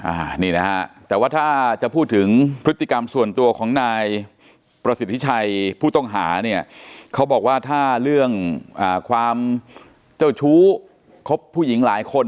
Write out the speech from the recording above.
อ่านี่นะฮะแต่ว่าถ้าจะพูดถึงพฤติกรรมส่วนตัวของนายประสิทธิชัยผู้ต้องหาเนี่ยเขาบอกว่าถ้าเรื่องอ่าความเจ้าชู้คบผู้หญิงหลายคน